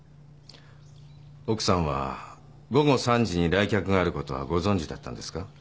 奥さんは午後３時に来客があることはご存じだったんですか？